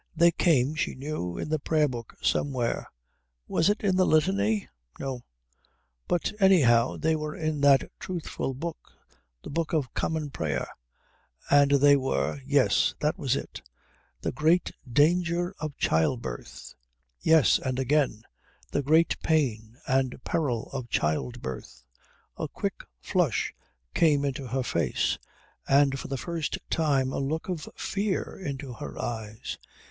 They came, she knew, in the Prayer book somewhere; was it in the Litany? No; but anyhow they were in that truthful book, the Book of Common Prayer, and they were yes, that was it: The great danger of child birth. Yes; and again: The great pain and peril of child birth. A quick flush came into her face, and for the first time a look of fear into her eyes.